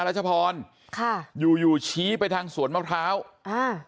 รัชพรค่ะอยู่อยู่ชี้ไปทางสวนมะพร้าวอ่า